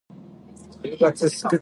请各位抓紧时间。